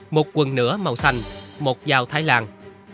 một quần nửa màu xanh một dao thái làng